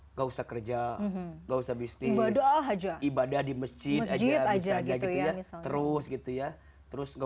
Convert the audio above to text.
nggak usah kerja nggak usah bisnis ibadah di masjid aja misalnya gitu ya terus gitu ya terus nggak